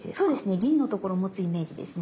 銀のところを持つイメージですね。